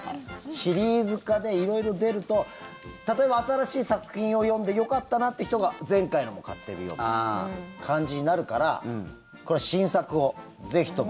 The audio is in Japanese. シリーズ化で色々出ると例えば、新しい作品を読んでよかったなって人が前回のも買っみようって感じになるからこれは新作をぜひとも。